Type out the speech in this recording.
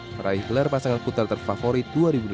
meraih gelar pasangan putra terfavorit dua ribu delapan belas